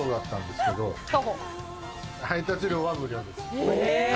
配達料は無料です。